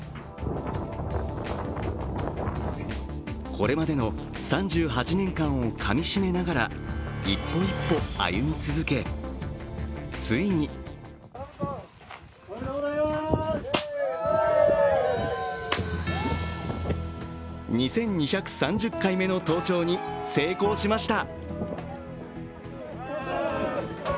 これまでの３８年間をかみしめながら一歩一歩、歩み続け、ついに２２３０回目の登頂に成功しました。